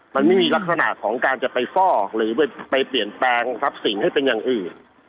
มันไม่มีลักษณะของการจะไปฟอกหรือไปเปลี่ยนแปลงทรัพย์สินให้เป็นอย่างอื่น